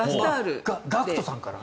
ＧＡＣＫＴさんかな。